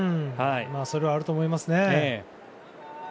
それはあると思いますね。